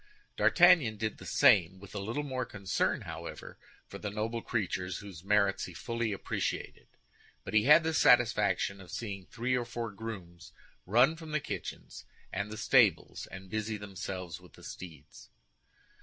D'Artagnan did the same, with a little more concern, however, for the noble creatures, whose merits he fully appreciated; but he had the satisfaction of seeing three or four grooms run from the kitchens and the stables, and busy themselves with the steeds.